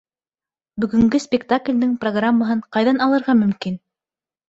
Бөгөнгө спектаклдең программаһын ҡайҙан алырға мөмкин?